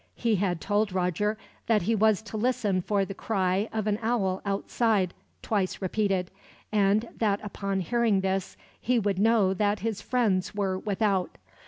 He had told Roger that he was to listen for the cry of an owl outside, twice repeated; and that upon hearing this, he would know that his friends were without.